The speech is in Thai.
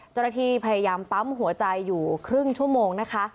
จรภีพยายามปั๊มหัวใจอยู่ครึ่งชั่วโมงนะคะ